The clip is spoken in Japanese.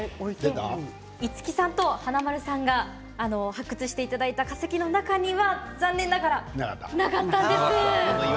五木さんと華丸さんが発掘していただいた化石の中には残念ながらなかったんです。